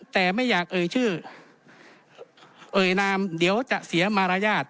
แต่ไม่อยากเอ่ยชื่อเอ่ยนามเดี๋ยวจะเสียมารยาท